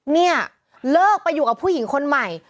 เนี่ยเลิกไปอยู่กับผู้หญิงคนใหม่